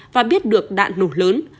và biết được đạn nổ lớn